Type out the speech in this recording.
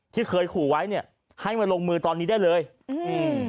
ที่เคยขู่ไว้เนี้ยให้มาลงมือตอนนี้ได้เลยอืม